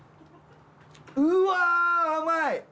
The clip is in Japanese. うわ甘い！